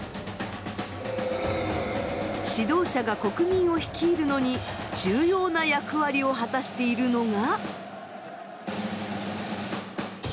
指導者が国民を率いるのに重要な役割を果たしているのが。